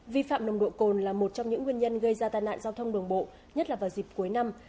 vi phạm nồng độ cồn là một trong những nguyên nhân gây ra tai nạn giao thông đường bộ nhất là vào dịp cuối năm